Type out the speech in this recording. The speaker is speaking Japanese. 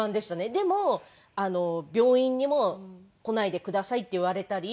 でも病院にも「来ないでください」って言われたり。